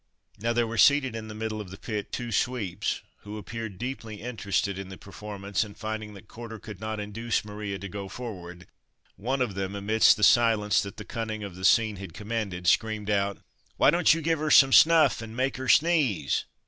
Now there were seated in the middle of the pit two sweeps, who appeared deeply interested in the performance, and finding that Corder could not induce Maria to go forward, one of them, amidst the silence that the cunning of the scene had commanded, screamed out "Why don't you give her some snuff, and make her sneeze!"